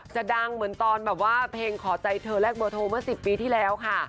จะดังเหมือนตอนแบบว่าเพลงขอใจเธอแรกเบอร์โทรเมื่อ๑๐ปีที่แล้วค่ะ